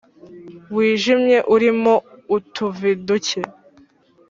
wijimye urimo utuvi duke.